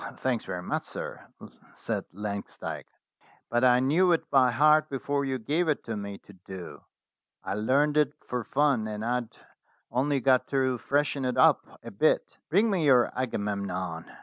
' "Thanks very much, sir," said Langsdyke; "but I knew it by heart before you gave it to me to do. I learnt it for fun, and I'd only got to freshen it up a bit." "Bring me your 'Agamemnon.'